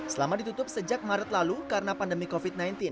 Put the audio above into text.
selama ditutup sejak maret lalu karena pandemi covid sembilan belas